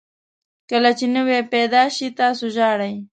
کله چې نوی پیدا شئ تاسو ژاړئ.